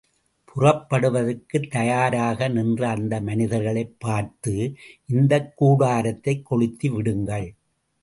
புறப்படுவதற்குத் தயாராக நின்ற அந்த மனிதர்களைப் பார்த்து, இந்தக் கூடாரத்தைக் கொளுத்தி விடுங்கள்.